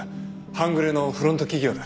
半グレのフロント企業だ。